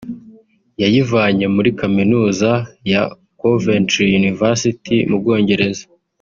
yayivanye muri Kaminuza ya Coventry University mu Bwongereza